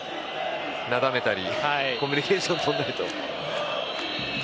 なだめたりコミュニケーションをとらないと。